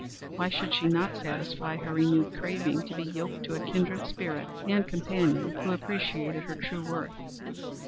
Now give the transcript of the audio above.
Why should she not satisfy her renewed craving to be yoked to a kindred spirit and companion who appreciated her true worth?